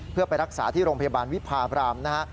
เพื่อไปรักษาที่โรงพยาบาลวิพาบรามนะฮะ